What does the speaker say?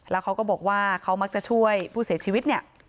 แล้วเขาก็บอกว่าเขามักจะช่วยผู้เสียชีวิตเนี่ย